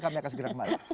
karena akan segera kembali